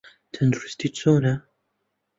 تەندروستیت چۆنە؟